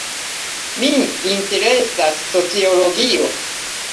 Min interesas sociologio.